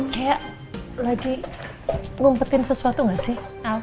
kayak lagi ngumpetin sesuatu gak sih